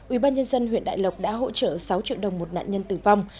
ubnd huyện đại lộc đã hỗ trợ sáu triệu đồng một nạn nhân tử vong